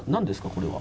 これは。